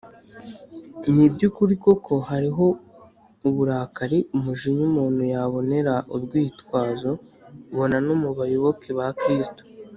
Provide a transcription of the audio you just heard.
ni iby’ukuri koko hariho uburakari/umujinya umuntu yabonera urwitwazo, bona no mu bayoboke ba kristo